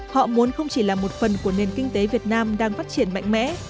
họ muốn không chỉ là một phần của nền kinh tế việt nam đang phát triển mạnh mẽ